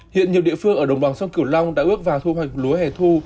hiện nhiều địa phương ở đồng bằng sông kiểu long đã bước vào thu hoạch lúa hè thu